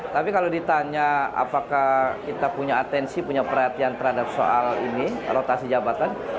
tapi kalau ditanya apakah kita punya atensi punya perhatian terhadap soal ini rotasi jabatan